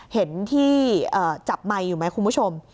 เห็นที่จับไมค์อยู่ไหมคุณผู้ชม